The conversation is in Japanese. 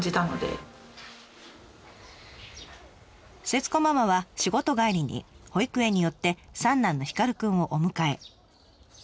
節子ママは仕事帰りに保育園に寄って三男のヒカルくんをお迎え。